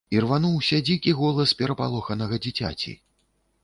Ірвануўся дзікі голас перапалоханага дзіцяці.